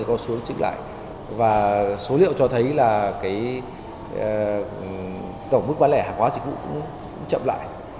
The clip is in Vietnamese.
có xu hướng chứng lại và số liệu cho thấy là cái tổng mức bán lẻ hàng hóa dịch vụ chậm lại